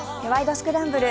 スクランブル」